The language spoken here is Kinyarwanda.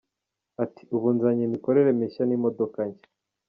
Ati “ Ubu nzanye imikorere mishya n’imodoka nshya.